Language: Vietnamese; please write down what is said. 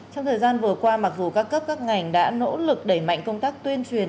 trong thời gian vừa qua mặc dù các cấp các ngành đã nỗ lực đẩy mạnh công tác tuyên truyền